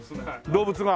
動物が。